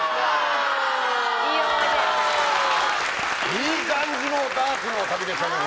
いい感じのダーツの旅でしたね。